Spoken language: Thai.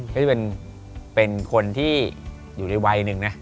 ก็จะเป็นคนที่อยู่ในวัยหนึ่งนะ